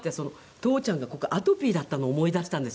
父ちゃんがここアトピーだったのを思い出したんですよ